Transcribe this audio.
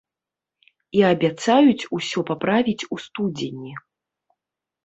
І абяцаюць усё паправіць у студзені.